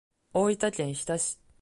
大分県日田市